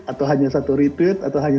atau hanya satu retweet atau hanya